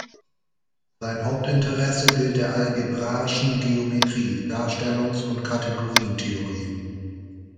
Sein Hauptinteresse gilt der algebraischen Geometrie, Darstellungs- und Kategorientheorie.